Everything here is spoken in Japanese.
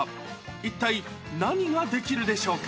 一体何ができるでしょうか？